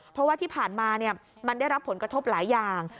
เพราะว่าที่ผ่านมามันได้รับผลกระทบหลายอย่าง